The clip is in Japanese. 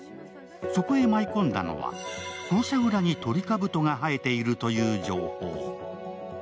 そこへ舞い込んだのは校舎裏にトリカブトが生えているという情報。